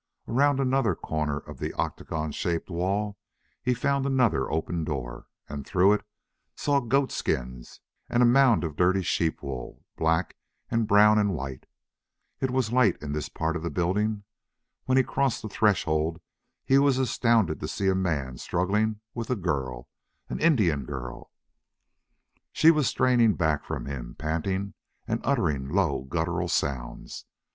Around another corner of the octagon shaped wall he found another open door, and through it saw goat skins and a mound of dirty sheep wool, black and brown and white. It was light in this part of the building. When he crossed the threshold he was astounded to see a man struggling with a girl an Indian girl. She was straining back from him, panting, and uttering low guttural sounds.